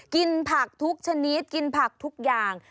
กินผักทุกชนิดกินผักทุกอย่าง